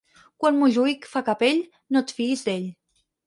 Quan Montjuïc fa capell, no et fiïs d'ell.